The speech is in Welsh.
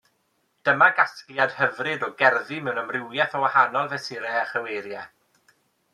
Dyma gasgliad hyfryd o gerddi mewn amrywiaeth o wahanol fesurau a chyweiriau.